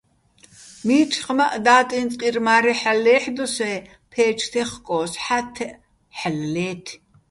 მიჩხმაჸ და́ტი́ნი̆ წკირმა́რი ჰ̦ალო̆ ლე́ჰ̦დოსე́ ფე́ჩ თეხკო́ს, ჰ̦ა́თთეჸ ჰ̦ალო̆ ლე́თე̆.